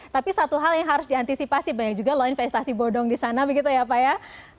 tapi satu hal yang harus diantisipasi banyak juga loh investasi bodong di sana begitu ya pak ya